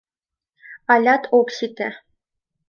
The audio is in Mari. Алят ок сите.